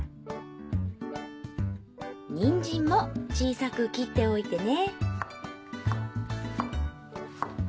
にんじんも小さく切っておいてね